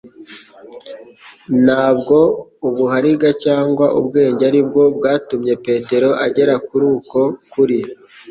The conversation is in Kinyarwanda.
Ntabwo ubuhariga cyangwa ubwenge aribwo bwatumye Petero agera kuri uko kuri.